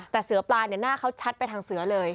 แต่เสือปลาเนี่ยหน้าเขาชัดไปทางเสือเลย